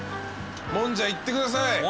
もんじゃいってください。